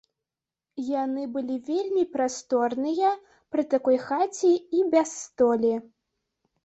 Яны былі вельмі прасторныя пры такой хаце і без столі.